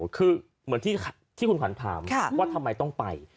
คือเหมือนที่คุณขวัญถามว่าทำไมต้องไป